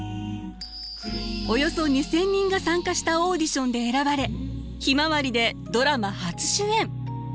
およそ２，０００人が参加したオーディションで選ばれ「ひまわり」でドラマ初主演。